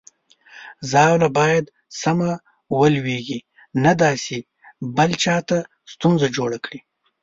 ژاوله باید سمه ولویږي، نه دا چې بل چاته ستونزه جوړه کړي.